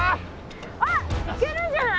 あっいけるんじゃない？